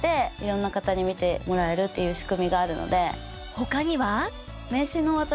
他には？